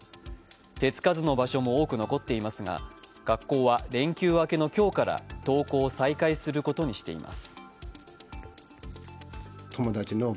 手つかずの場所も多く残っていますが学校は連休明けの今日から登校を再開することにしています。